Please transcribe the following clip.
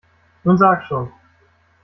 Nun sag schon!